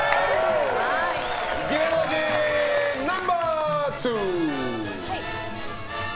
芸能人ナンバー２。